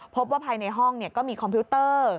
พบว่าภายในห้องก็มีคอมพิวเตอร์